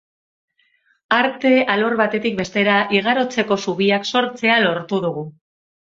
Arte alor batetik bestera igarotzeko zubiak sortzea lortu dugu.